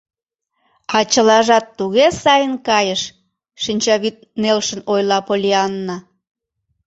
— А чылажат туге сайын кайыш, — шинчавӱд нелшын ойла Поллианна.